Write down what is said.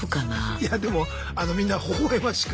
いやでもみんなほほ笑ましく